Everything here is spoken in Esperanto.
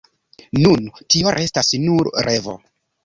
Nun tio restas nur revo.